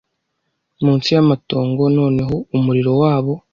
munsi yamatongo noneho umuriro wabo